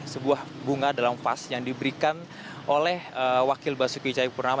sebuah bunga dalam vas yang diberikan oleh wakil basuki cahayapurnama